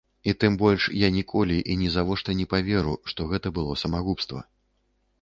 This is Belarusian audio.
І тым больш я ніколі і нізавошта не паверу, што гэта было самагубства.